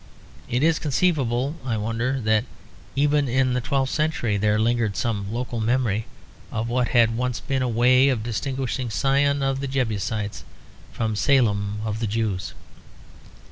Is it conceivable, I wonder, that even in the twelfth century there lingered some local memory of what had once been a way of distinguishing Sion of the Jebusites from Salem of the Jews?